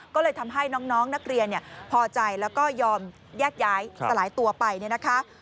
ก็เลยทำให้น้องนักเรียนพอใจแล้วก็ยอมแยกย้ายสลายตัวไปเนี่ยนะคะ